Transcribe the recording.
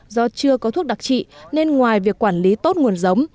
do chưa có thuốc đặc trị nên ngoài việc quản lý tốt nguồn giống